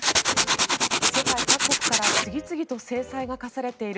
世界各国から次々と制裁が科されている